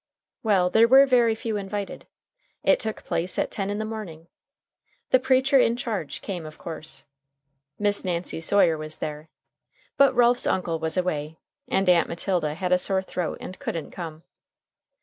Well, there were very few invited. It took place at ten in the morning. The "preacher in charge" came, of course. Miss Nancy Sawyer was there. But Ralph's uncle was away, and Aunt Matilda had a sore throat and couldn't come.